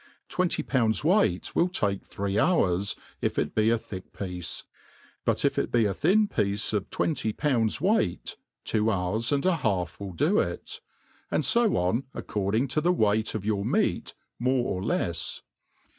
Twenty pounds weight will take three 'hours, if it be a thick piece} but if it be a thin piece of twenty poyinds weight, two hours and an half will do it ; and fo on according to the weight of your meat, more or lefs.